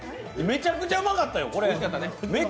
めちゃくちゃうまかったよ。